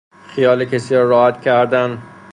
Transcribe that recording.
خیال کسی را راحت کردن